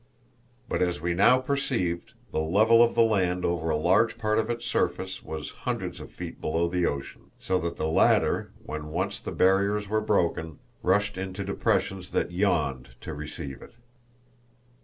But, as we now perceived, the level of the land over a large part of its surface was hundreds of feet below the ocean, so that the latter, when once the barriers were broken, rushed into depressions that yawned to receive it.